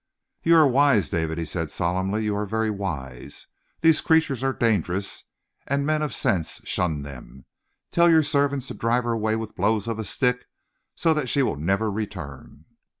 "You are wise, David," he said solemnly. "You are very wise. These creatures are dangerous, and men of sense shun them. Tell your servants to drive her away with blows of a stick so that she will never return."